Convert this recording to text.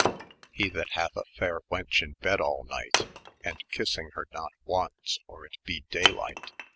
mi ' He that hath a faire wenche in bed all night. And kyssyng her not onae or it be day lyght.